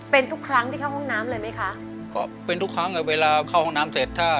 เป็นทุกครั้งที่เข้าห้องน้ำเลยไหมคะก็เป็นทุกครั้งอ่ะเวลาเข้าห้องน้ำเสร็จถ้า